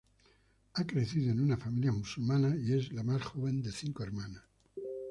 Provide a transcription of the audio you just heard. Ha crecido en una familia musulmana y es la más joven de cinco hermanas.